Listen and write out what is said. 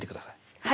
はい。